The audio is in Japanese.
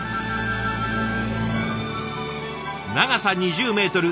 長さ２０メートル